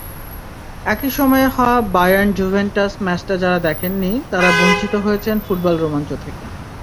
একই সময়ে হওয়া বায়ার্ন-জুভেন্টাস ম্যাচটা যাঁরা দেখেননি, তাঁরা বঞ্চিত হয়েছেন ফুটবল-রোমাঞ্চ থেকে।